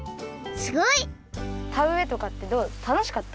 すごい！たうえとかってどうだった？